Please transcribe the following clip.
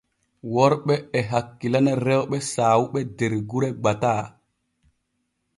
Worɓe e hakkilana rewɓe saawuɓe der gure gbataa.